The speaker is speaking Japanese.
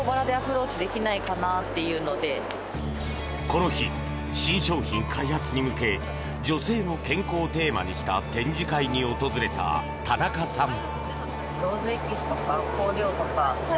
この日、新商品開発に向け女性の健康をテーマにした展示会に訪れた田中さん。